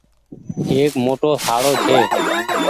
ايڪ موٽو شاڙو ڇي۔